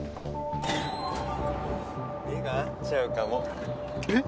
目が合っちゃうかもえっ？